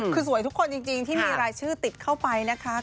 คือสวยทุกคนจริงที่มีรายชื่อติดเข้าไปนะคะ